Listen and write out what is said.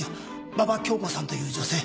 馬場恭子さんという女性